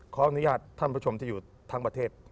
ขออนุญาตท่านผู้ชมที่อยู่ทั้งประเทศ